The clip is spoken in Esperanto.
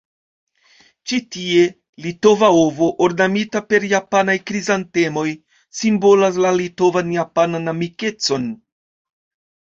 Ĉi tie litova ovo, ornamita per japanaj krizantemoj, simbolas la litovan-japanan amikecon.